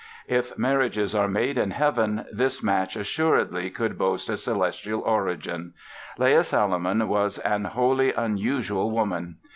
If marriages are made in heaven this match assuredly could boast a celestial origin! Leah Salomon was an wholly unusual woman.